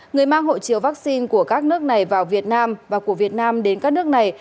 người mang hộ chiếu vaccine của các nước này vào việt nam và của việt nam đến các nước này